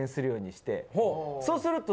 そうすると。